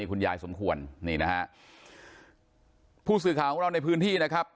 คุณยายสมควรนี่นะฮะผู้สื่อข่าวของเราในพื้นที่นะครับ